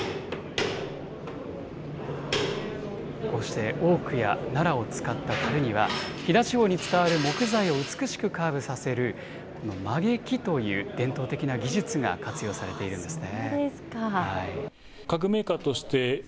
こうしてオークやナラを使ったたるには、飛騨地方に伝わる木材を美しくカーブさせる曲げ木という伝統的な技術が活用されているんですね。